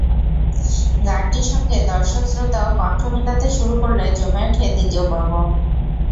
গানটির সঙ্গে দর্শক-শ্রোতাও কণ্ঠ মিলাতে শুরু করলে জমে ওঠে দ্বিতীয় পর্ব।